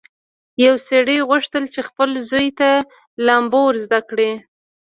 یو سړي غوښتل چې خپل زوی ته لامبو ور زده کړي.